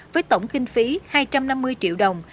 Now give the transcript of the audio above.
với tổng kinh phí hai trăm năm mươi triệu đồng